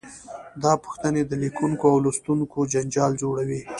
دا پوښتنې د لیکونکي او لوستونکي جنجال جوړوي.